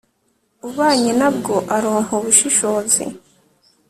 ubanye na bwo aronka ubushishozi